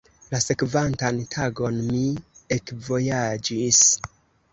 La sekvantan tagon mi ekvojaĝis.